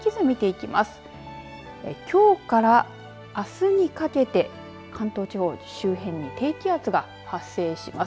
きょうからあすにかけて関東地方周辺に低気圧が発生します。